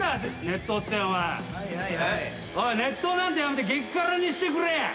熱湯なんてやめて激辛にしてくれ。